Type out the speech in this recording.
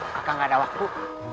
maka gak ada waktu